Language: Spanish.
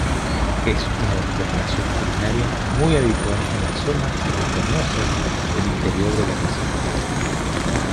Es una preparación culinaria muy habitual en las zonas montañosas del interior de Galicia.